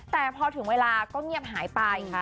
แต่พอถึงเวลาก็เงียบหายไป